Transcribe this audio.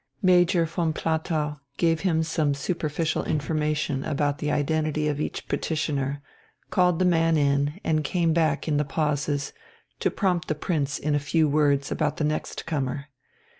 Major von Platow gave him some superficial information about the identity of each petitioner, called the man in, and came back in the pauses, to prompt the Prince in a few words about the next comer.